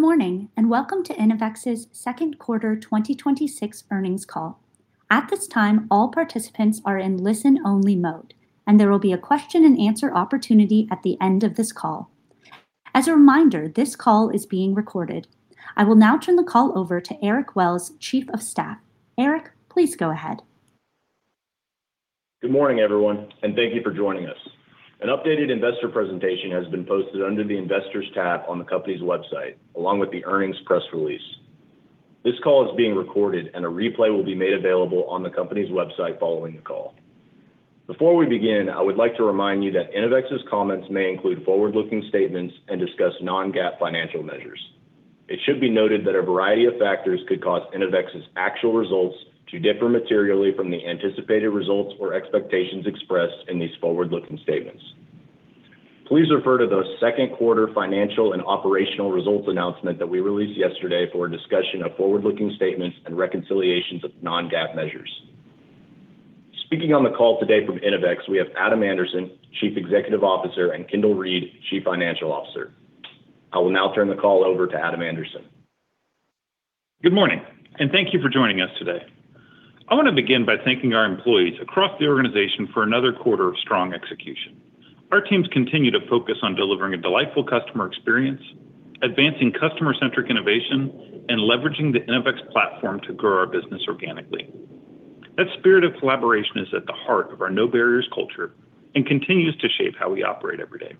Good morning. Welcome to Innovex's second quarter 2026 earnings call. At this time, all participants are in listen-only mode, and there will be a question-and-answer opportunity at the end of this call. As a reminder, this call is being recorded. I will now turn the call over to Eric Wells, Chief of Staff. Eric, please go ahead. Good morning, everyone. Thank you for joining us. An updated investor presentation has been posted under the Investors tab on the company's website, along with the earnings press release. This call is being recorded, and a replay will be made available on the company's website following the call. Before we begin, I would like to remind you that Innovex's comments may include forward-looking statements and discuss non-GAAP financial measures. It should be noted that a variety of factors could cause Innovex's actual results to differ materially from the anticipated results or expectations expressed in these forward-looking statements. Please refer to the second quarter financial and operational results announcement that we released yesterday for a discussion of forward-looking statements and reconciliations of non-GAAP measures. Speaking on the call today from Innovex, we have Adam Anderson, Chief Executive Officer, and Kendal Reed, Chief Financial Officer. I will now turn the call over to Adam Anderson. Good morning. Thank you for joining us today. I want to begin by thanking our employees across the organization for another quarter of strong execution. Our teams continue to focus on delivering a delightful customer experience, advancing customer-centric innovation, and leveraging the Innovex platform to grow our business organically. That spirit of collaboration is at the heart of our no barriers culture and continues to shape how we operate every day.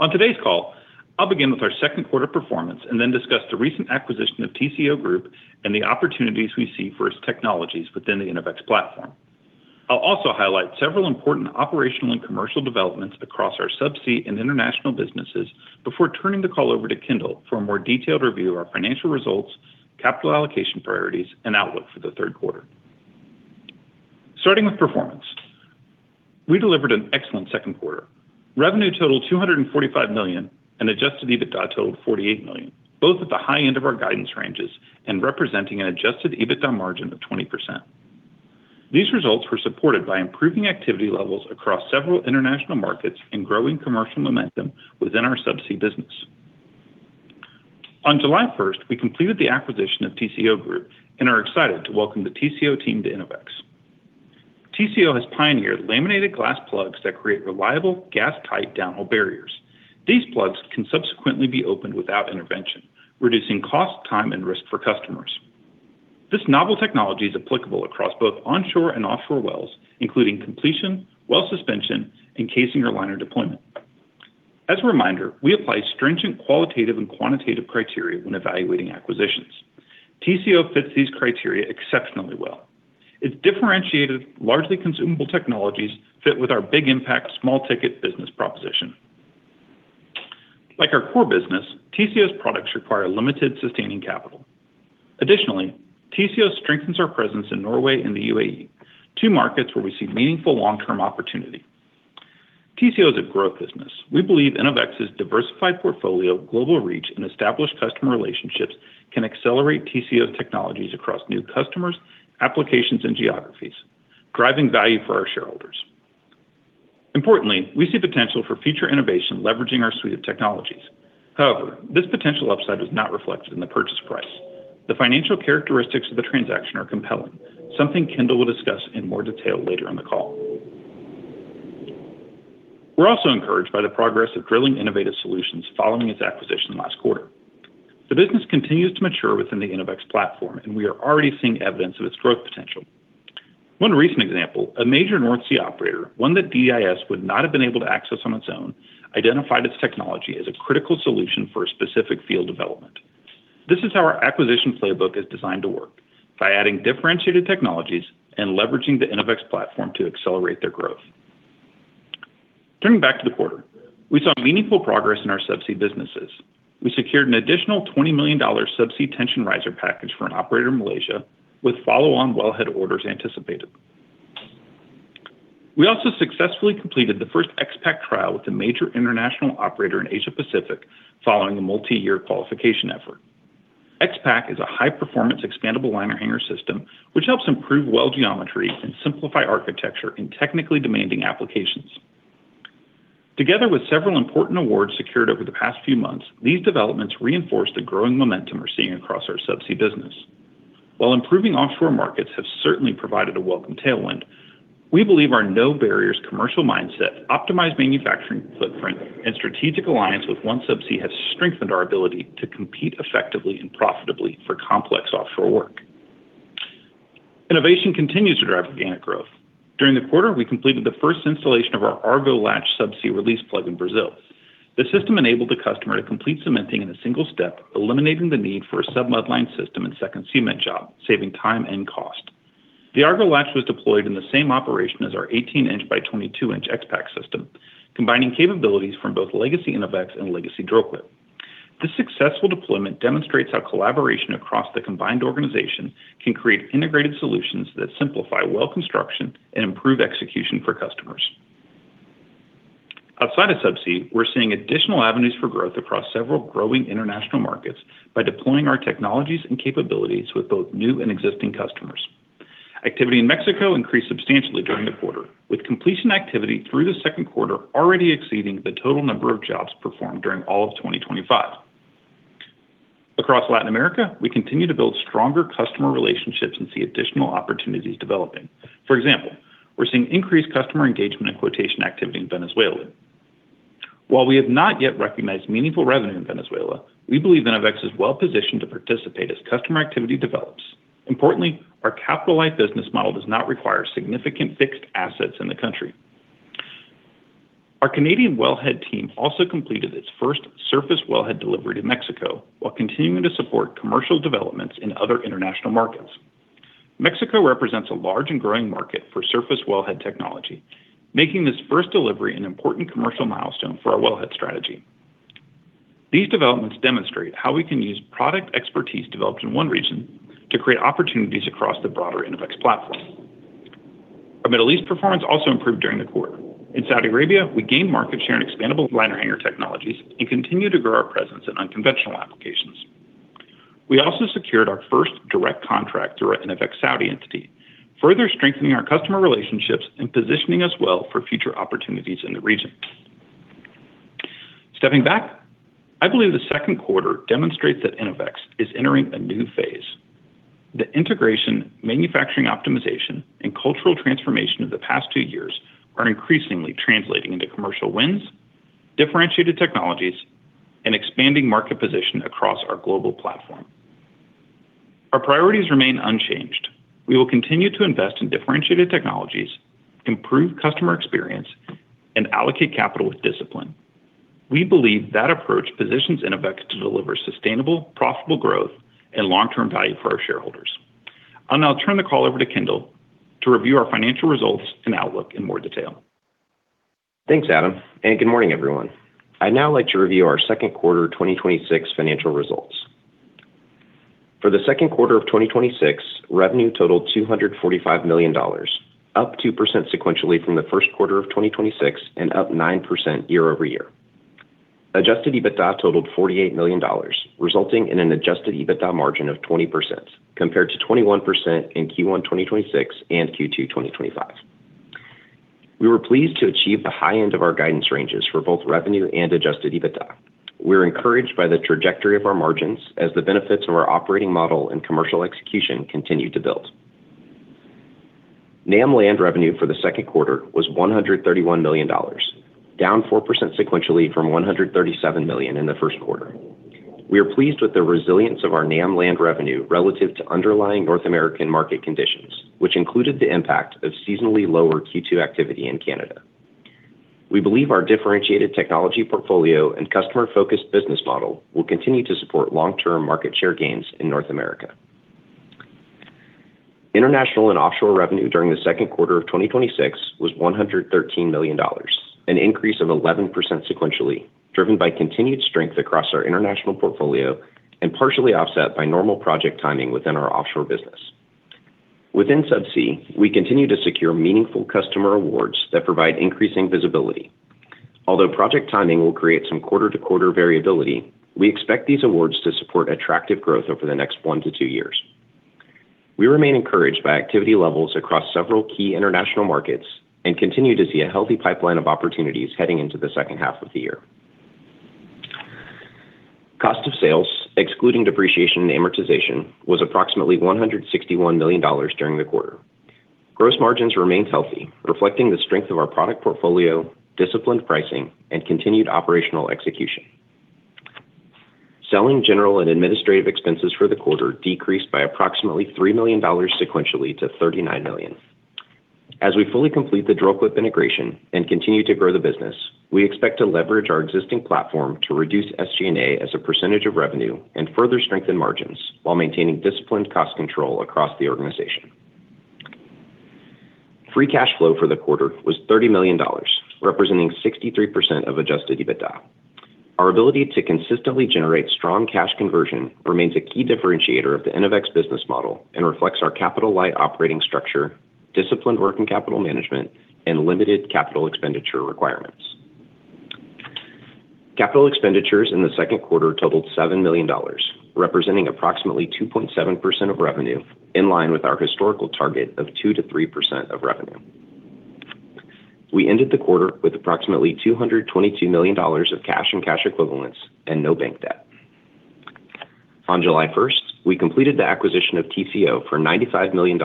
On today's call, I will begin with our second quarter performance and then discuss the recent acquisition of TCO Group and the opportunities we see for its technologies within the Innovex platform. I will also highlight several important operational and commercial developments across our subsea and international businesses before turning the call over to Kendal for a more detailed review of our financial results, capital allocation priorities, and outlook for the third quarter. Starting with performance. We delivered an excellent second quarter. Revenue totaled $245 million and adjusted EBITDA totaled $48 million, both at the high end of our guidance ranges and representing an adjusted EBITDA margin of 20%. These results were supported by improving activity levels across several international markets and growing commercial momentum within our subsea business. On July 1st, we completed the acquisition of TCO Group and are excited to welcome the TCO team to Innovex. TCO has pioneered laminated glass plugs that create reliable gas-tight downhole barriers. These plugs can subsequently be opened without intervention, reducing cost, time, and risk for customers. This novel technology is applicable across both onshore and offshore wells, including completion, well suspension, and casing or liner deployment. As a reminder, we apply stringent qualitative and quantitative criteria when evaluating acquisitions. TCO fits these criteria exceptionally well. Its differentiated, largely consumable technologies fit with our big impact, small ticket business proposition. Like our core business, TCO's products require limited sustaining capital. Additionally, TCO strengthens our presence in Norway and the UAE, two markets where we see meaningful long-term opportunity. TCO is a growth business. We believe Innovex's diversified portfolio, global reach, and established customer relationships can accelerate TCO's technologies across new customers, applications, and geographies, driving value for our shareholders. Importantly, we see potential for future innovation leveraging our suite of technologies. However, this potential upside was not reflected in the purchase price. The financial characteristics of the transaction are compelling, something Kendal will discuss in more detail later in the call. We are also encouraged by the progress of Drilling Innovative Solutions following its acquisition last quarter. The business continues to mature within the Innovex platform, and we are already seeing evidence of its growth potential. One recent example, a major North Sea operator, one that DIS would not have been able to access on its own, identified its technology as a critical solution for a specific field development. This is how our acquisition playbook is designed to work, by adding differentiated technologies and leveraging the Innovex platform to accelerate their growth. Turning back to the quarter. We saw meaningful progress in our subsea businesses. We secured an additional $20 million subsea tension riser package for an operator in Malaysia, with follow-on well head orders anticipated. We also successfully completed the first XPak trial with a major international operator in Asia Pacific following a multi-year qualification effort. XPak is a high-performance expandable liner hanger system, which helps improve well geometry and simplify architecture in technically demanding applications. Together with several important awards secured over the past few months, these developments reinforce the growing momentum we are seeing across our subsea business. While improving offshore markets have certainly provided a welcome tailwind, we believe our no barriers commercial mindset, optimized manufacturing footprint, and strategic alliance with OneSubsea has strengthened our ability to compete effectively and profitably for complex offshore work. Innovation continues to drive organic growth. During the quarter, we completed the first installation of our ArgoLATCH Subsea Release Plug in Brazil. The system enabled the customer to complete cementing in a single step, eliminating the need for a submudline system and second cement job, saving time and cost. The ArgoLATCH was deployed in the same operation as our 18-inch by 22-inch XPak system, combining capabilities from both legacy Innovex and legacy Dril-Quip. This successful deployment demonstrates how collaboration across the combined organization can create integrated solutions that simplify well construction and improve execution for customers. Outside of subsea, we're seeing additional avenues for growth across several growing international markets by deploying our technologies and capabilities with both new and existing customers. Activity in Mexico increased substantially during the quarter, with completion activity through the second quarter already exceeding the total number of jobs performed during all of 2025. Across Latin America, we continue to build stronger customer relationships and see additional opportunities developing. For example, we're seeing increased customer engagement and quotation activity in Venezuela. While we have not yet recognized meaningful revenue in Venezuela, we believe Innovex is well-positioned to participate as customer activity develops. Importantly, our capital-light business model does not require significant fixed assets in the country. Our Canadian wellhead team also completed its first surface wellhead delivery to Mexico while continuing to support commercial developments in other international markets. Mexico represents a large and growing market for surface wellhead technology, making this first delivery an important commercial milestone for our wellhead strategy. These developments demonstrate how we can use product expertise developed in one region to create opportunities across the broader Innovex platform. Our Middle East performance also improved during the quarter. In Saudi Arabia, we gained market share in expandable liner hanger technologies and continue to grow our presence in unconventional applications. We also secured our first direct contract through our Innovex Saudi entity, further strengthening our customer relationships and positioning us well for future opportunities in the region. Stepping back, I believe the second quarter demonstrates that Innovex is entering a new phase. The integration, manufacturing optimization, and cultural transformation of the past two years are increasingly translating into commercial wins, differentiated technologies, and expanding market position across our global platform. Our priorities remain unchanged. We will continue to invest in differentiated technologies, improve customer experience, and allocate capital with discipline. We believe that approach positions Innovex to deliver sustainable, profitable growth and long-term value for our shareholders. I'll now turn the call over to Kendal to review our financial results and outlook in more detail. Thanks, Adam, and good morning, everyone. I'd now like to review our second quarter 2026 financial results. For the second quarter of 2026, revenue totaled $245 million, up 2% sequentially from the first quarter of 2026 and up 9% year-over-year. Adjusted EBITDA totaled $48 million, resulting in an adjusted EBITDA margin of 20%, compared to 21% in Q1 2026 and Q2 2025. We were pleased to achieve the high end of our guidance ranges for both revenue and adjusted EBITDA. We're encouraged by the trajectory of our margins as the benefits of our operating model and commercial execution continue to build. NAM land revenue for the second quarter was $131 million, down 4% sequentially from $137 million in the first quarter. We are pleased with the resilience of our NAM land revenue relative to underlying North American market conditions, which included the impact of seasonally lower Q2 activity in Canada. We believe our differentiated technology portfolio and customer-focused business model will continue to support long-term market share gains in North America. International and offshore revenue during the second quarter of 2026 was $113 million, an increase of 11% sequentially, driven by continued strength across our international portfolio and partially offset by normal project timing within our offshore business. Within subsea, we continue to secure meaningful customer awards that provide increasing visibility. Although project timing will create some quarter-to-quarter variability, we expect these awards to support attractive growth over the next one to two years. We remain encouraged by activity levels across several key international markets and continue to see a healthy pipeline of opportunities heading into the second half of the year. Cost of sales, excluding depreciation and amortization, was approximately $161 million during the quarter. Gross margins remained healthy, reflecting the strength of our product portfolio, disciplined pricing, and continued operational execution. Selling, general, and administrative expenses for the quarter decreased by approximately $3 million sequentially to $39 million. As we fully complete the Dril-Quip integration and continue to grow the business, we expect to leverage our existing platform to reduce SG&A as a percentage of revenue and further strengthen margins while maintaining disciplined cost control across the organization. Free cash flow for the quarter was $30 million, representing 63% of adjusted EBITDA. Our ability to consistently generate strong cash conversion remains a key differentiator of the Innovex business model and reflects our capital-light operating structure, disciplined working capital management, and limited capital expenditure requirements. Capital expenditures in the second quarter totaled $7 million, representing approximately 2.7% of revenue, in line with our historical target of 2%-3% of revenue. We ended the quarter with approximately $222 million of cash and cash equivalents and no bank debt. On July 1st, we completed the acquisition of TCO for $95 million,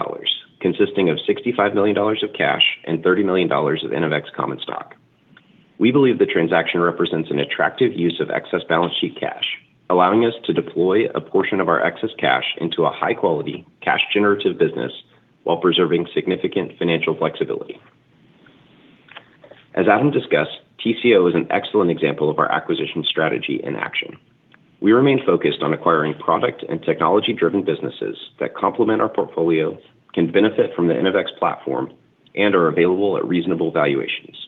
consisting of $65 million of cash and $30 million of Innovex common stock. We believe the transaction represents an attractive use of excess balance sheet cash, allowing us to deploy a portion of our excess cash into a high-quality, cash-generative business while preserving significant financial flexibility. As Adam discussed, TCO is an excellent example of our acquisition strategy in action. We remain focused on acquiring product and technology-driven businesses that complement our portfolio, can benefit from the Innovex platform, and are available at reasonable valuations.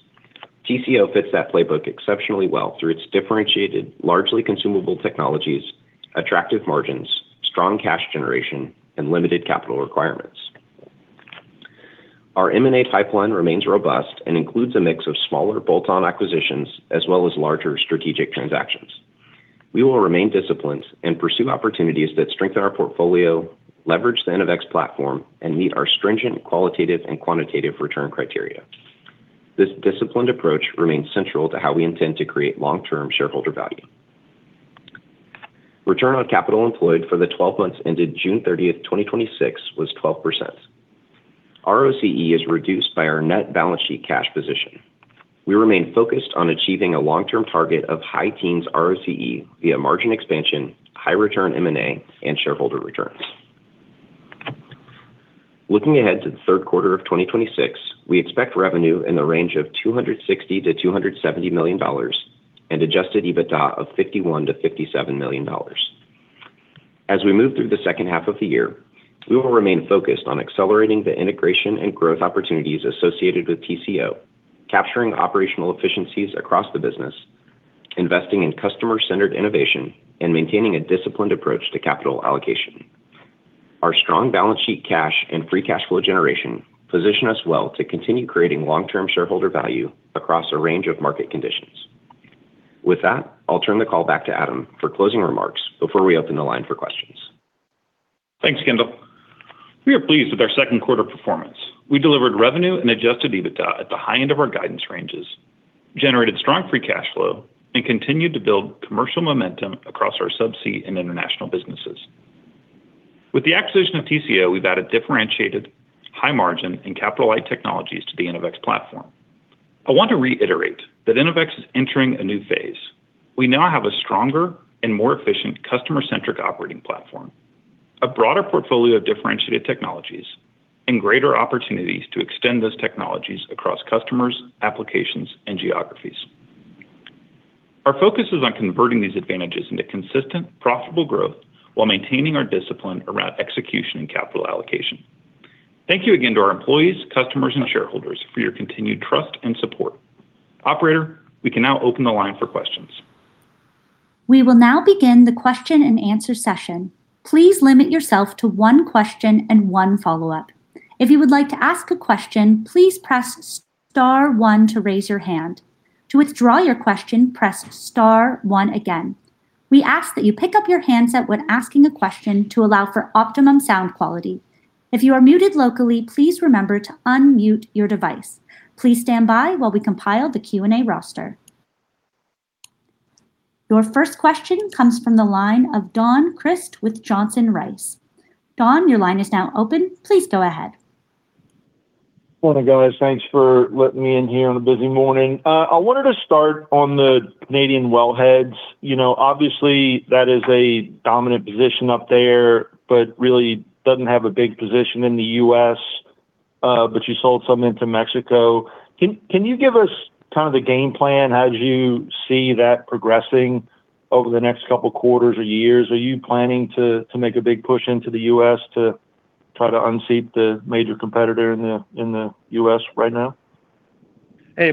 TCO fits that playbook exceptionally well through its differentiated, largely consumable technologies, attractive margins, strong cash generation, and limited capital requirements. Our M&A pipeline remains robust and includes a mix of smaller bolt-on acquisitions as well as larger strategic transactions. We will remain disciplined and pursue opportunities that strengthen our portfolio, leverage the Innovex platform, and meet our stringent qualitative and quantitative return criteria. This disciplined approach remains central to how we intend to create long-term shareholder value. Return on capital employed for the 12 months ended June 30th, 2026 was 12%. ROCE is reduced by our net balance sheet cash position. We remain focused on achieving a long-term target of high teens ROCE via margin expansion, high return M&A and shareholder returns. Looking ahead to the third quarter of 2026, we expect revenue in the range of $260 million-$270 million and adjusted EBITDA of $51 million-$57 million. As we move through the second half of the year, we will remain focused on accelerating the integration and growth opportunities associated with TCO, capturing operational efficiencies across the business, investing in customer-centered innovation, and maintaining a disciplined approach to capital allocation. Our strong balance sheet cash and free cash flow generation position us well to continue creating long-term shareholder value across a range of market conditions. With that, I'll turn the call back to Adam for closing remarks before we open the line for questions. Thanks, Kendal. We are pleased with our second quarter performance. We delivered revenue and adjusted EBITDA at the high end of our guidance ranges, generated strong free cash flow, and continued to build commercial momentum across our subsea and international businesses. With the acquisition of TCO, we've added differentiated high margin and capital-light technologies to the Innovex platform. I want to reiterate that Innovex is entering a new phase. We now have a stronger and more efficient customer-centric operating platform, a broader portfolio of differentiated technologies, and greater opportunities to extend those technologies across customers, applications, and geographies. Our focus is on converting these advantages into consistent, profitable growth while maintaining our discipline around execution and capital allocation. Thank you again to our employees, customers, and shareholders for your continued trust and support. Operator, we can now open the line for questions. We will now begin the question-and-answer session. Please limit yourself to one question and one follow-up. If you would like to ask a question, please press star one to raise your hand. To withdraw your question, press star one again. We ask that you pick up your handset when asking a question to allow for optimum sound quality. If you are muted locally, please remember to unmute your device. Please stand by while we compile the Q&A roster. Your first question comes from the line of Don Crist with Johnson Rice. Don, your line is now open. Please go ahead. Morning, guys. Thanks for letting me in here on a busy morning. I wanted to start on the Canadian wellheads. Obviously, that is a dominant position up there, but really doesn't have a big position in the U.S., but you sold some into Mexico. Can you give us kind of the game plan? How do you see that progressing over the next couple of quarters or years? Are you planning to make a big push into the U.S. to try to unseat the major competitor in the U.S. right now?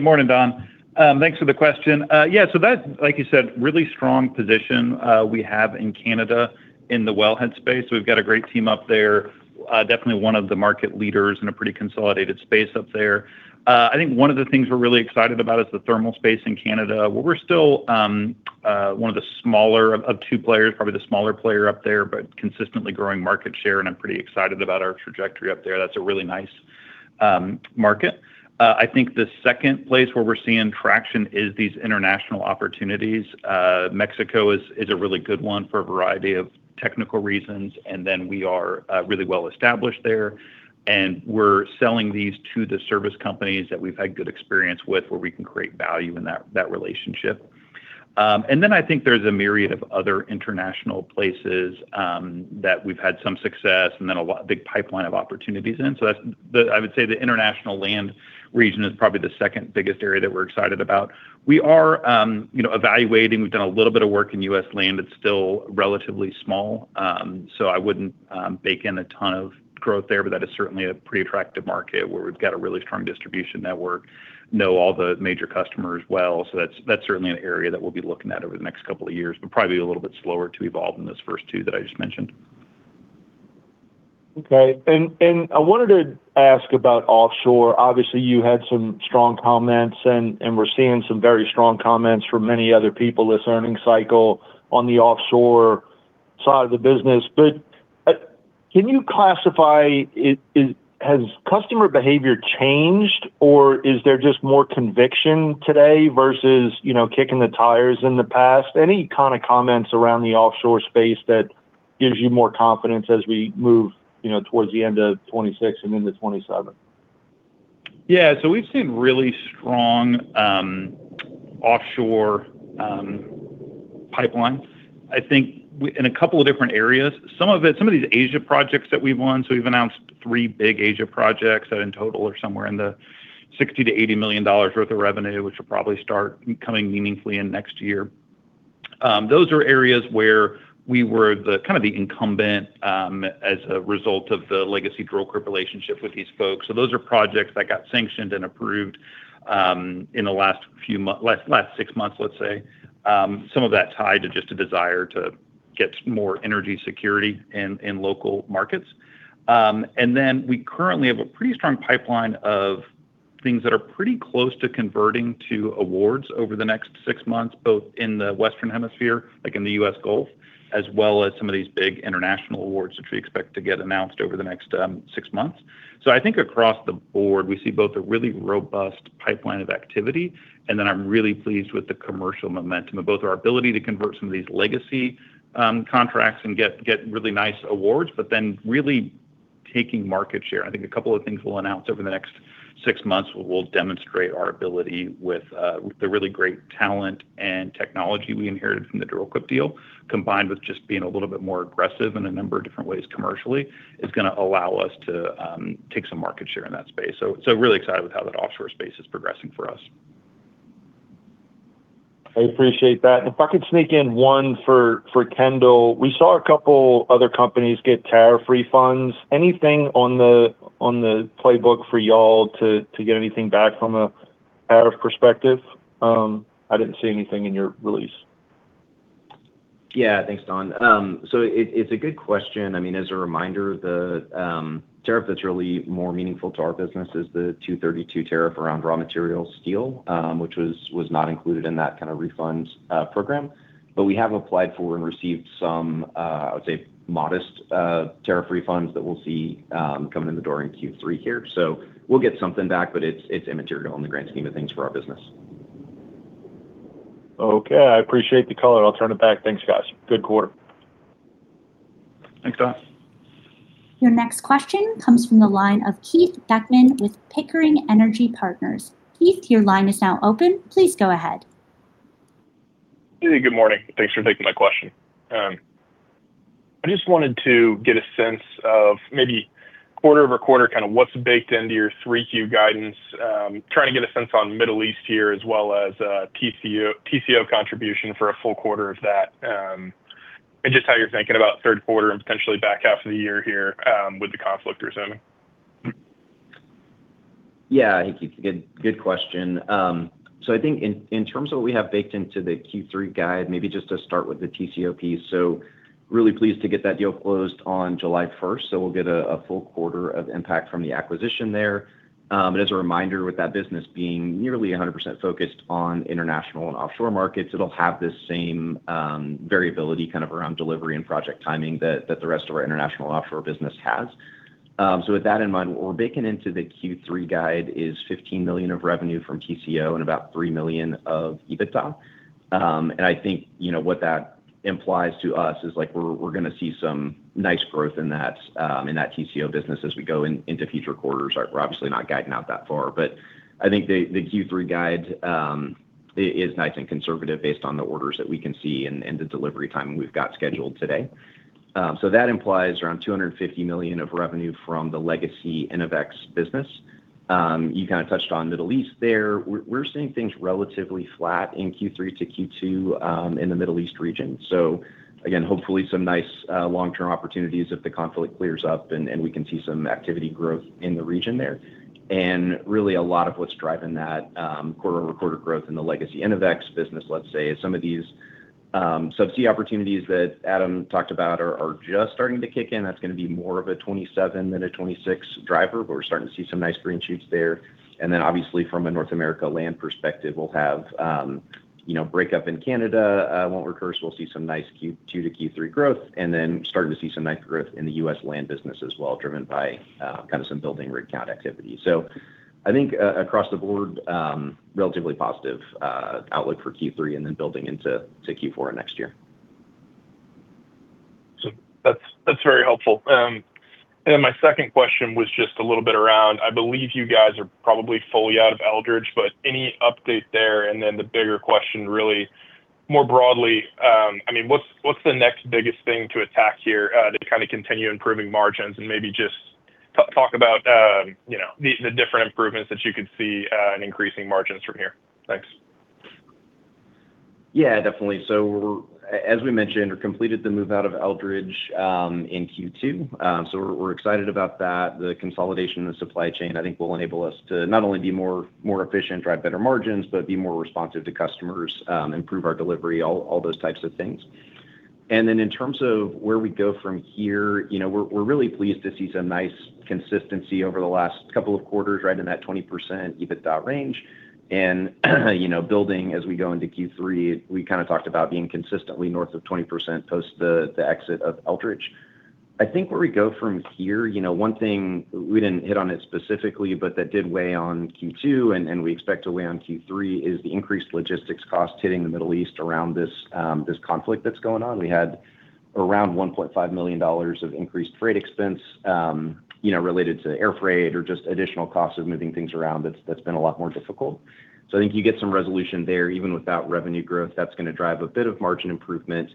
Morning, Don. Thanks for the question. That's, like you said, really strong position we have in Canada in the wellhead space. We've got a great team up there. Definitely one of the market leaders in a pretty consolidated space up there. I think one of the things we're really excited about is the thermal space in Canada, where we're still one of the smaller of two players, probably the smaller player up there, but consistently growing market share, and I'm pretty excited about our trajectory up there. That's a really nice market. I think the second place where we're seeing traction is these international opportunities. Mexico is a really good one for a variety of technical reasons. We are really well established there, and we're selling these to the service companies that we've had good experience with, where we can create value in that relationship. I think there's a myriad of other international places that we've had some success and a big pipeline of opportunities in. I would say the international land region is probably the second biggest area that we're excited about. We are evaluating. We've done a little bit of work in U.S. land. It's still relatively small, so I wouldn't bake in a ton of growth there, but that is certainly a pretty attractive market where we've got a really strong distribution network, know all the major customers well. That's certainly an area that we'll be looking at over the next couple of years, but probably a little bit slower to evolve than those first two that I just mentioned. Okay. I wanted to ask about offshore. Obviously, you had some strong comments, and we're seeing some very strong comments from many other people this earnings cycle on the offshore side of the business. Can you classify, has customer behavior changed, or is there just more conviction today versus kicking the tires in the past? Any kind of comments around the offshore space that gives you more confidence as we move towards the end of 2026 and into 2027? Yeah. We've seen really strong offshore pipeline, I think, in a couple of different areas. Some of these Asia projects that we've won. We've announced three big Asia projects that in total are somewhere in the $60 million to $80 million worth of revenue, which will probably start coming meaningfully in next year. Those are areas where we were kind of the incumbent as a result of the legacy Dril-Quip relationship with these folks. Those are projects that got sanctioned and approved in the last six months, let's say. Some of that tied to just a desire to get more energy security in local markets. We currently have a pretty strong pipeline of things that are pretty close to converting to awards over the next six months, both in the Western Hemisphere, like in the U.S. Gulf, as well as some of these big international awards that we expect to get announced over the next six months. Across the board, we see both a really robust pipeline of activity, and then I'm really pleased with the commercial momentum of both our ability to convert some of these legacy contracts and get really nice awards, but then really taking market share. I think a couple of things we'll announce over the next six months will demonstrate our ability with the really great talent and technology we inherited from the Dril-Quip deal, combined with just being a little bit more aggressive in a number of different ways commercially, is going to allow us to take some market share in that space. Really excited with how that offshore space is progressing for us. I appreciate that. If I could sneak in one for Kendal. We saw a couple other companies get tariff refunds. Anything on the playbook for you all to get anything back from a tariff perspective? I didn't see anything in your release. Yeah. Thanks, Don. It's a good question. As a reminder, the tariff that's really more meaningful to our business is the 232 tariff around raw material steel, which was not included in that kind of refund program. But we have applied for and received some, I would say, modest tariff refunds that we'll see coming in the door in Q3 here. We'll get something back, but it's immaterial in the grand scheme of things for our business. Okay. I appreciate the color. I'll turn it back. Thanks, guys. Good quarter. Thanks, Don. Your next question comes from the line of Keith Beckmann with Pickering Energy Partners. Keith, your line is now open. Please go ahead. Hey, good morning. Thanks for taking my question. I just wanted to get a sense of maybe quarter-over-quarter, what's baked into your 3Q guidance. Trying to get a sense on Middle East here, as well as TCO contribution for a full quarter of that. Just how you're thinking about third quarter and potentially back half of the year here, with the conflict resuming. Yeah, Keith. Good question. I think in terms of what we have baked into the Q3 guide, maybe just to start with the TCO piece. Really pleased to get that deal closed on July 1st. We'll get a full quarter of impact from the acquisition there. As a reminder, with that business being nearly 100% focused on international and offshore markets, it'll have this same variability around delivery and project timing that the rest of our international and offshore business has. With that in mind, what we're baking into the Q3 guide is $15 million of revenue from TCO and about $3 million of EBITDA. I think what that implies to us is we're going to see some nice growth in that TCO business as we go into future quarters. We're obviously not guiding out that far. I think the Q3 guide is nice and conservative based on the orders that we can see and the delivery timing we've got scheduled today. That implies around $250 million of revenue from the legacy Innovex business. You touched on Middle East there. We're seeing things relatively flat in Q3 to Q2 in the Middle East region. Again, hopefully some nice long-term opportunities if the conflict clears up and we can see some activity growth in the region there. Really a lot of what's driving that quarter-over-quarter growth in the legacy Innovex business, let's say, is some of these subsea opportunities that Adam talked about are just starting to kick in. That's going to be more of a 2027 than a 2026 driver, but we're starting to see some nice green shoots there. Obviously from a North America land perspective, we'll have breakup in Canada. I won't recurse. We'll see some nice Q2 to Q3 growth, then starting to see some nice growth in the U.S. land business as well, driven by some building rig count activity. I think across the board, relatively positive outlook for Q3 and then building into Q4 next year. That's very helpful. My second question was just a little bit around, I believe you guys are probably fully out of Eldridge, but any update there? The bigger question really more broadly, what's the next biggest thing to attack here to continue improving margins and maybe just talk about the different improvements that you could see in increasing margins from here. Thanks. Definitely. As we mentioned, we completed the move out of Eldridge in Q2. We're excited about that. The consolidation of the supply chain, I think will enable us to not only be more efficient, drive better margins, but be more responsive to customers, improve our delivery, all those types of things. In terms of where we go from here, we're really pleased to see some nice consistency over the last couple of quarters, right in that 20% EBITDA range. Building as we go into Q3, we talked about being consistently north of 20% post the exit of Eldridge. I think where we go from here, one thing we didn't hit on it specifically, but that did weigh on Q2 and we expect to weigh on Q3, is the increased logistics cost hitting the Middle East around this conflict that's going on. We had around $1.5 million of increased freight expense related to air freight or just additional costs of moving things around, that's been a lot more difficult. I think you get some resolution there, even without revenue growth, that's going to drive a bit of margin improvement.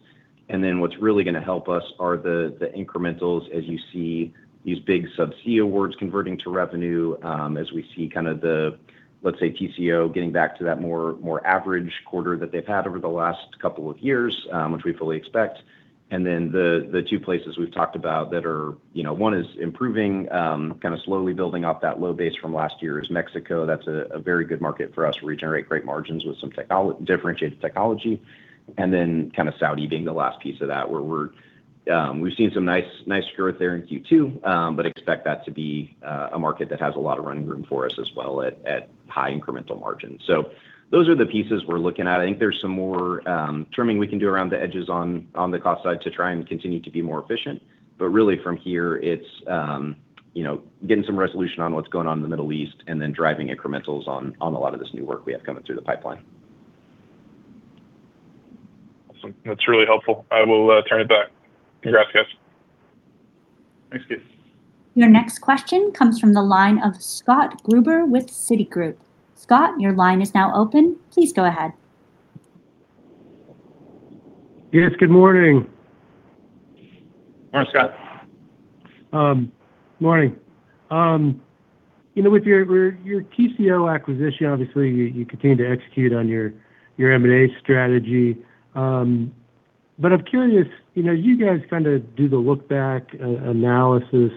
What's really going to help us are the incrementals, as you see these big subsea awards converting to revenue, as we see the, let's say, TCO getting back to that more average quarter that they've had over the last couple of years, which we fully expect. The two places we've talked about that are, one is improving, slowly building off that low base from last year is Mexico. That's a very good market for us. We generate great margins with some differentiated technology. Saudi being the last piece of that, where we've seen some nice growth there in Q2, but expect that to be a market that has a lot of running room for us as well at high incremental margins. Those are the pieces we're looking at. I think there's some more trimming we can do around the edges on the cost side to try and continue to be more efficient. Really from here, it's getting some resolution on what's going on in the Middle East and then driving incrementals on a lot of this new work we have coming through the pipeline. Awesome. That's really helpful. I will turn it back. Congrats, guys. Thanks, Keith. Your next question comes from the line of Scott Gruber with Citigroup. Scott, your line is now open. Please go ahead. Yes, good morning. Morning, Scott. Morning. With your TCO acquisition, obviously, you continue to execute on your M&A strategy. I'm curious, you guys kind of do the look-back analysis,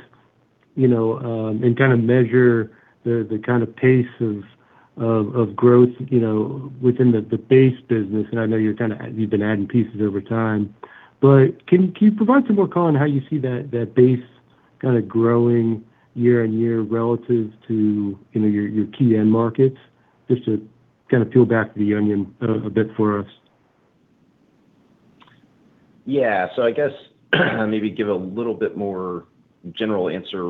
and measure the kind of pace of growth within the base business. I know you've been adding pieces over time. Can you provide some more color on how you see that base kind of growing year-on-year relative to your key end markets, just to kind of peel back the onion a bit for us? Yeah. I guess maybe give a little bit more general answer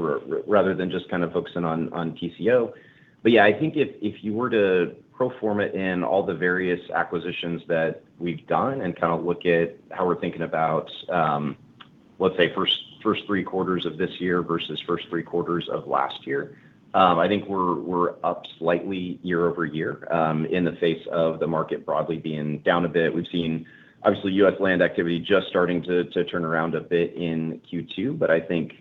rather than just kind of focusing on TCO. Yeah, I think if you were to pro forma in all the various acquisitions that we've done and look at how we're thinking about, let's say, first three quarters of this year versus first three quarters of last year. I think we're up slightly year-over-year, in the face of the market broadly being down a bit. We've seen, obviously, U.S. land activity just starting to turn around a bit in Q2. I think,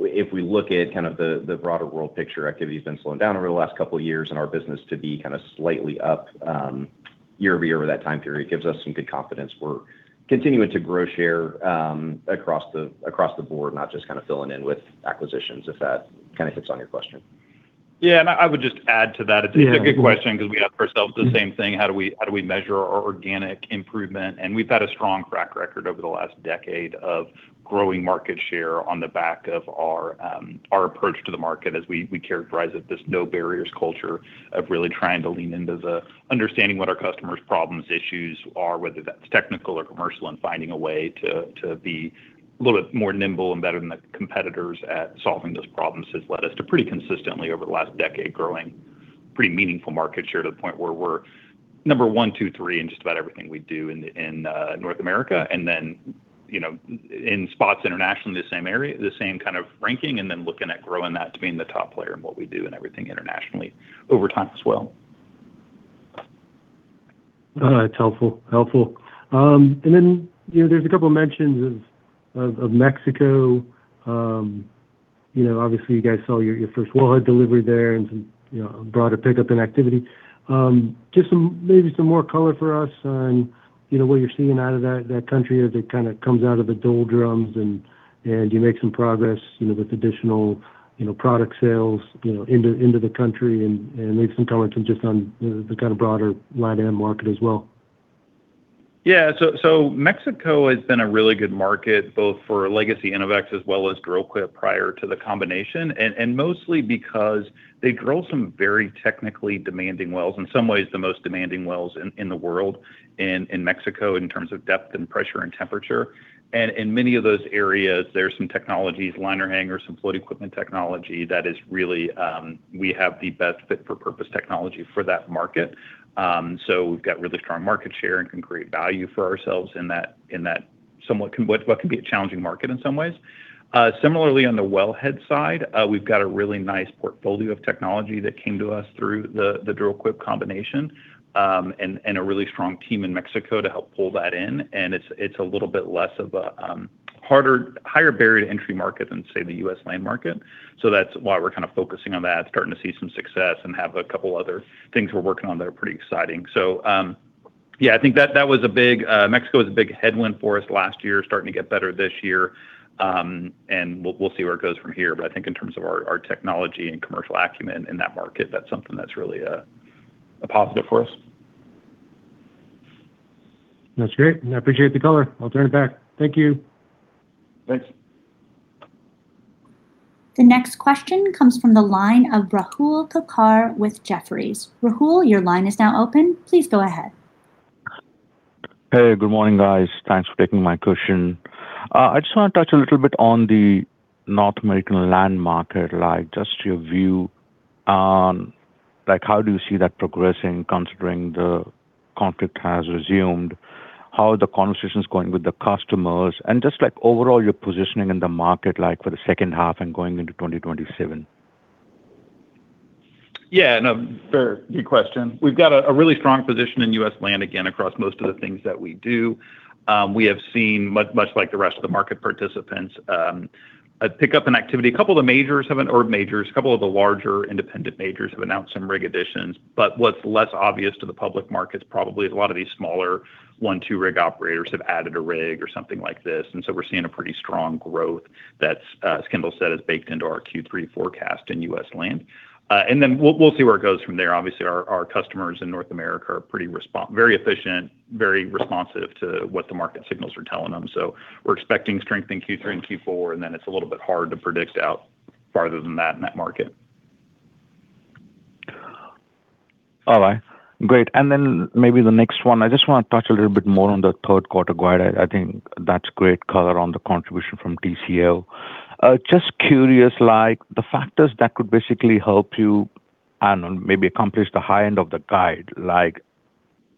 if we look at the broader world picture, activity's been slowing down over the last couple of years, and our business to be kind of slightly up year-over-year over that time period gives us some good confidence. We're continuing to grow share across the board, not just filling in with acquisitions, if that kind of hits on your question. Yeah, I would just add to that. Yeah. It's a good question because we ask ourselves the same thing. How do we measure our organic improvement? We've had a strong track record over the last decade of growing market share on the back of our approach to the market, as we characterize it, this no barriers culture of really trying to lean into the understanding what our customers' problems, issues are, whether that's technical or commercial, and finding a way to be a little bit more nimble and better than the competitors at solving those problems has led us to pretty consistently over the last decade, growing pretty meaningful market share to the point where we're number one, two, or three in just about everything we do in North America. In spots internationally, the same kind of ranking, and then looking at growing that to being the top player in what we do and everything internationally over time as well. That's helpful. Helpful. There's a couple mentions of Mexico. Obviously, you guys saw your first wellhead delivery there and some broader pickup in activity. Just maybe some more color for us on what you're seeing out of that country as it kind of comes out of the doldrums and you make some progress, with additional product sales into the country and maybe some color just on the kind of broader LatAm market as well. Yeah. Mexico has been a really good market both for legacy Innovex as well as Dril-Quip prior to the combination. Mostly because they drill some very technically demanding wells, in some ways, the most demanding wells in the world in Mexico in terms of depth and pressure and temperature. In many of those areas, there's some technologies, liner hangers, some float equipment technology that is really, we have the best fit for purpose technology for that market. We've got really strong market share and can create value for ourselves in what can be a challenging market in some ways. Similarly, on the wellhead side, we've got a really nice portfolio of technology that came to us through the Dril-Quip combination, and a really strong team in Mexico to help pull that in. It's a little bit less of a higher barrier to entry market than, say, the U.S. land market. That's why we're kind of focusing on that, starting to see some success and have a couple other things we're working on that are pretty exciting. Yeah, I think Mexico was a big headwind for us last year. Starting to get better this year, and we'll see where it goes from here. I think in terms of our technology and commercial acumen in that market, that's something that's really a positive for us. That's great. I appreciate the color. I'll turn it back. Thank you. Thanks. The next question comes from the line of Rahul Kakkar with Jefferies. Rahul, your line is now open. Please go ahead. Hey, good morning, guys. Thanks for taking my question. I just want to touch a little bit on the North American land market, just your view on how do you see that progressing, considering the conflict has resumed, how are the conversations going with the customers, and just overall your positioning in the market, like for the second half and going into 2027? Fair. Good question. We've got a really strong position in US land, again, across most of the things that we do. We have seen, much like the rest of the market participants, a pickup in activity. A couple of the majors have, or majors, a couple of the larger independent majors have announced some rig additions. What's less obvious to the public markets probably is a lot of these smaller one, two-rig operators have added a rig or something like this. We're seeing a pretty strong growth that's, as Kendal said, is baked into our Q3 forecast in US land. We'll see where it goes from there. Obviously, our customers in North America are very efficient, very responsive to what the market signals are telling them. We're expecting strength in Q3 and Q4, it's a little bit hard to predict out Farther than that in that market. All right, great. Maybe the next one, I just want to touch a little bit more on the third quarter guide. I think that's great color on the contribution from TCO. Just curious, like, the factors that could basically help you, I don't know, maybe accomplish the high end of the guide.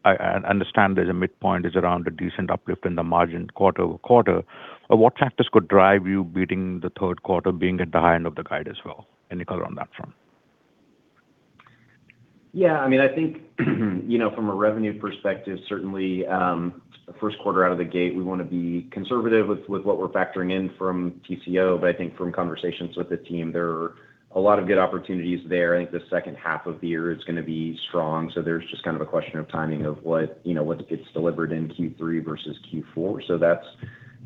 I understand that the midpoint is around a decent uplift in the margin quarter-over-quarter. What factors could drive you beating the third quarter, being at the high end of the guide as well? Any color on that front? I think from a revenue perspective, certainly, first quarter out of the gate, we want to be conservative with what we're factoring in from TCO. I think from conversations with the team, there are a lot of good opportunities there. I think the second half of the year is going to be strong, so there's just a question of timing of what gets delivered in Q3 versus Q4.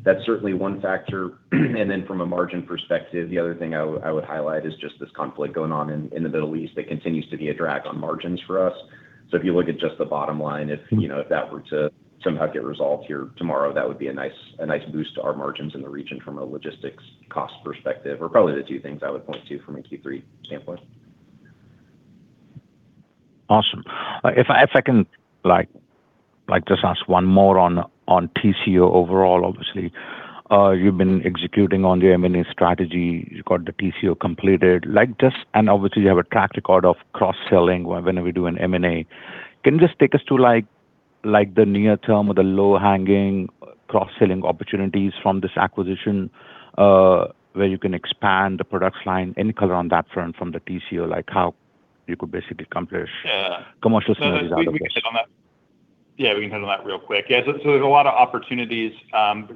That's certainly one factor. Then from a margin perspective, the other thing I would highlight is just this conflict going on in the Middle East. That continues to be a drag on margins for us. If you look at just the bottom line, if that were to somehow get resolved here tomorrow, that would be a nice boost to our margins in the region from a logistics cost perspective are probably the two things I would point to from a Q3 standpoint. Awesome. If I can just ask one more on TCO overall. Obviously, you've been executing on your M&A strategy. You got the TCO completed. Obviously, you have a track record of cross-selling whenever we do an M&A. Can you just take us to the near term or the low-hanging cross-selling opportunities from this acquisition, where you can expand the product line, any color on that front from the TCO, like how you could basically accomplish- Yeah commercial synergies on this? Yeah, we can hit on that real quick. There's a lot of opportunities,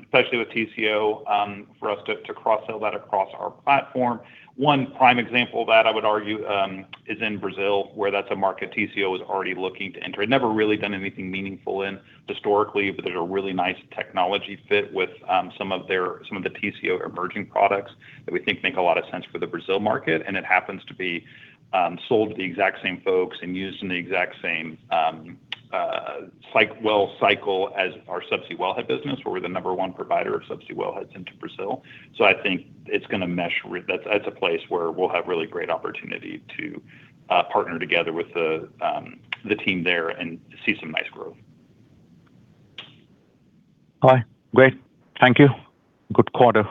especially with TCO, for us to cross-sell that across our platform. One prime example of that, I would argue, is in Brazil, where that's a market TCO is already looking to enter. It never really done anything meaningful in historically, but there's a really nice technology fit with some of the TCO emerging products that we think make a lot of sense for the Brazil market, and it happens to be sold to the exact same folks and used in the exact same well cycle as our subsea wellhead business, where we're the number one provider of subsea wellheads into Brazil. I think that's a place where we'll have really great opportunity to partner together with the team there and see some nice growth. All right. Great. Thank you. Good quarter.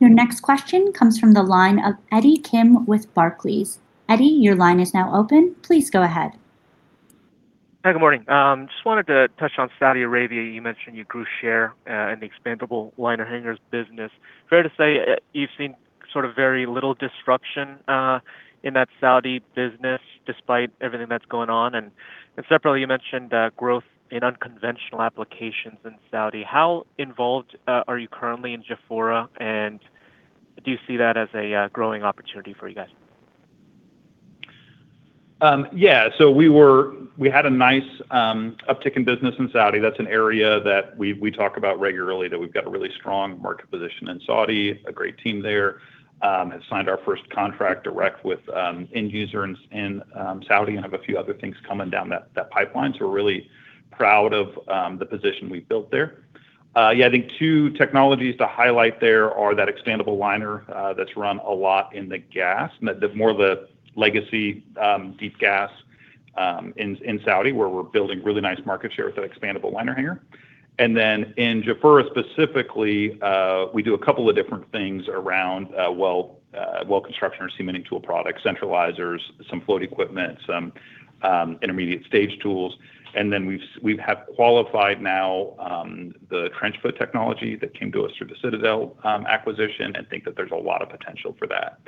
Your next question comes from the line of Eddie Kim with Barclays. Eddie, your line is now open. Please go ahead. Hi, good morning. Just wanted to touch on Saudi Arabia. You mentioned you grew share, in the expandable liner hangers business. Fair to say you've seen sort of very little disruption in that Saudi business despite everything that's going on? Separately, you mentioned growth in unconventional applications in Saudi. How involved are you currently in Jafurah? Do you see that as a growing opportunity for you guys? Yeah, we had a nice uptick in business in Saudi. That's an area that we talk about regularly, that we've got a really strong market position in Saudi, a great team there. Have signed our first contract direct with end user in Saudi and have a few other things coming down that pipeline. We're really proud of the position we've built there. Yeah, I think two technologies to highlight there are that expandable liner that's run a lot in the gas, more the legacy deep gas, in Saudi where we're building really nice market share with that expandable liner hanger. And then in Jubail specifically, we do a couple of different things around well construction or cementing tool products, centralizers, some float equipment, some intermediate stage tools. We have qualified now the TrenchFoot technology that came to us through the Citadel acquisition and think that there's a lot of potential for that.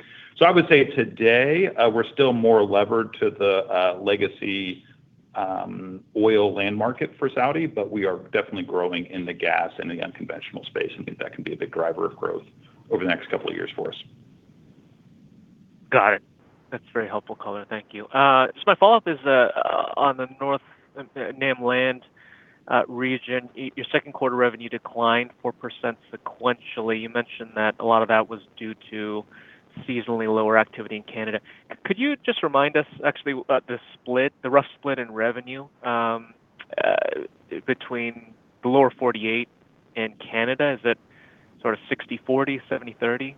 I would say today, we're still more levered to the legacy oil land market for Saudi, but we are definitely growing in the gas and the unconventional space, and think that can be a big driver of growth over the next couple of years for us. Got it. That's very helpful color. Thank you. My follow-up is on the NAM land region. Your second quarter revenue declined 4% sequentially. You mentioned that a lot of that was due to seasonally lower activity in Canada. Could you just remind us actually about the rough split in revenue between the Lower 48 and Canada? Is it sort of 60/40, 70/30?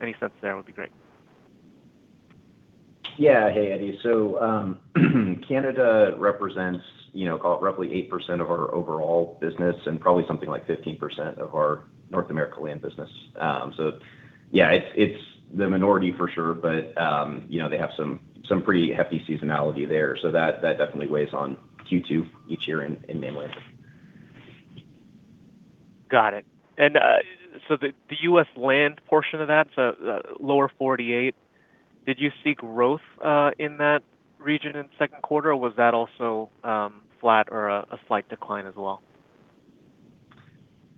Any sense there would be great. Yeah. Hey, Eddie. Canada represents roughly 8% of our overall business and probably something like 15% of our North America Land business. Yeah, it's the minority for sure, but they have some pretty hefty seasonality there, so that definitely weighs on Q2 each year in NAM land. Got it. The U.S. Land portion of that, so Lower 48, did you see growth in that region in second quarter or was that also flat or a slight decline as well?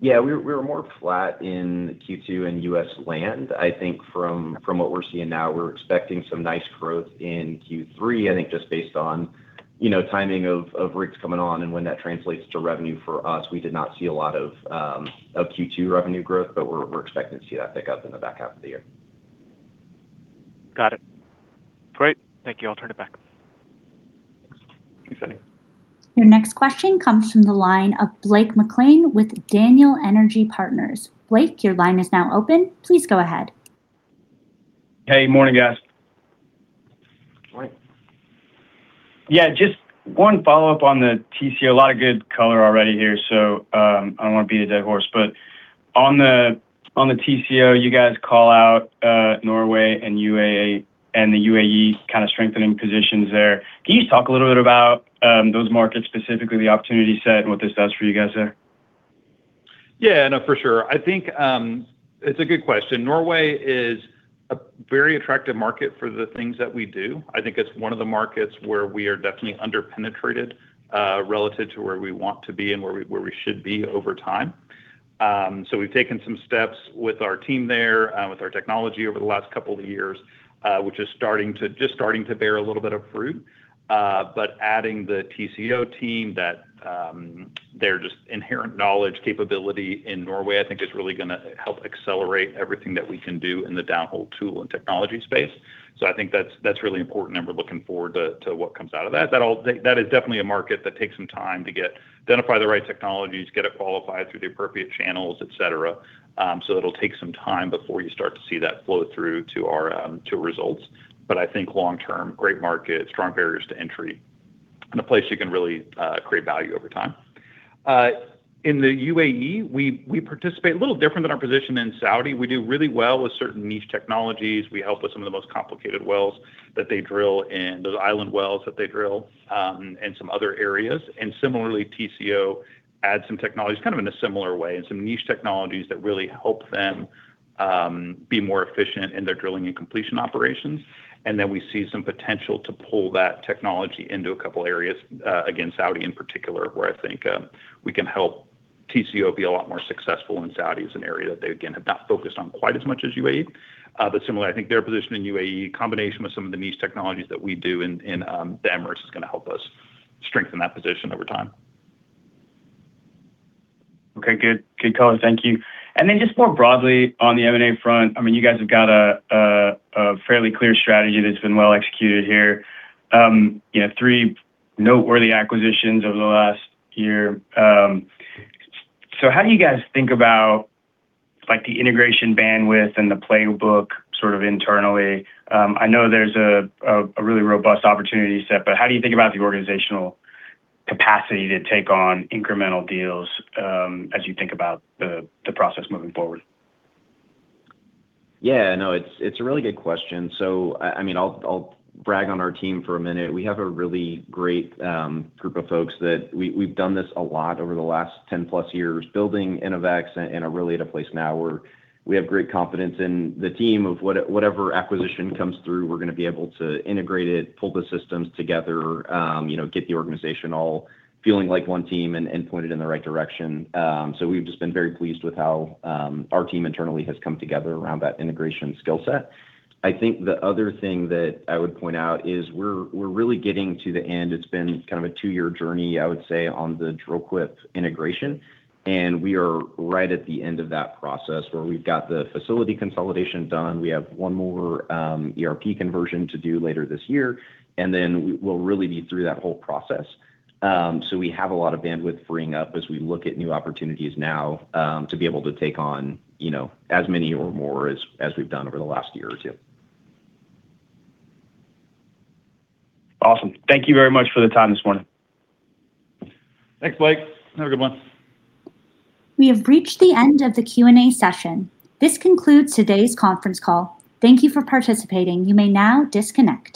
Yeah, we were more flat in Q2 in U.S. Land. I think from what we're seeing now, we're expecting some nice growth in Q3, I think just based on timing of rigs coming on and when that translates to revenue for us. We did not see a lot of Q2 revenue growth, we're expecting to see that pick up in the back half of the year. Got it. Great. Thank you. I'll turn it back. Your next question comes from the line of Blake McLean with Daniel Energy Partners. Blake, your line is now open. Please go ahead. Hey, morning, guys. Morning. Yeah. Just one follow-up on the TCO. A lot of good color already here, I don't want to beat a dead horse. On the TCO, you guys call out Norway and the UAE strengthening positions there. Can you talk a little bit about those markets, specifically the opportunity set and what this does for you guys there? Yeah. No, for sure. I think it's a good question. Norway is a very attractive market for the things that we do. I think it's one of the markets where we are definitely under-penetrated relative to where we want to be and where we should be over time. We've taken some steps with our team there, with our technology over the last couple of years, which is just starting to bear a little bit of fruit. Adding the TCO team, their just inherent knowledge, capability in Norway, I think is really going to help accelerate everything that we can do in the downhole tool and technology space. I think that's really important, and we're looking forward to what comes out of that. That is definitely a market that takes some time to identify the right technologies, get it qualified through the appropriate channels, et cetera. It'll take some time before you start to see that flow through to results. I think long-term, great market, strong barriers to entry, and a place you can really create value over time. In the UAE, we participate a little different than our position in Saudi. We do really well with certain niche technologies. We help with some of the most complicated wells that they drill, and those island wells that they drill, and some other areas. Similarly, TCO adds some technologies, kind of in a similar way, and some niche technologies that really help them be more efficient in their drilling and completion operations. We see some potential to pull that technology into a couple areas, again, Saudi in particular, where I think we can help TCO be a lot more successful in Saudi as an area that they, again, have not focused on quite as much as UAE. Similarly, I think their position in UAE, combination with some of the niche technologies that we do in the Emirates is going to help us strengthen that position over time. Okay. Good color. Thank you. Just more broadly on the M&A front, you guys have got a fairly clear strategy that's been well executed here. Three noteworthy acquisitions over the last year. How do you guys think about the integration bandwidth and the playbook sort of internally? I know there's a really robust opportunity set, but how do you think about the organizational capacity to take on incremental deals as you think about the process moving forward? Yeah. No, it's a really good question. I'll brag on our team for a minute. We have a really great group of folks that we've done this a lot over the last 10 plus years, building Innovex, and are really at a place now where we have great confidence in the team of whatever acquisition comes through, we're going to be able to integrate it, pull the systems together, get the organization all feeling like one team and pointed in the right direction. We've just been very pleased with how our team internally has come together around that integration skill set. I think the other thing that I would point out is we're really getting to the end. It's been kind of a two-year journey, I would say, on the Dril-Quip integration, we are right at the end of that process where we've got the facility consolidation done. We have one more ERP conversion to do later this year, we'll really be through that whole process. We have a lot of bandwidth freeing up as we look at new opportunities now to be able to take on as many or more as we've done over the last year or two. Awesome. Thank you very much for the time this morning. Thanks, Blake. Have a good one. We have reached the end of the Q&A session. This concludes today's conference call. Thank you for participating. You may now disconnect.